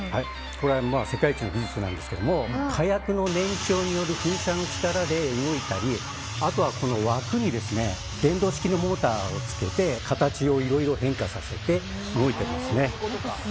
これ、世界一の技術なんですけど火薬の燃焼による噴射の力で動いたり、あとは枠に電動式のモーターを付けて形をいろいろ変化させて動いてます。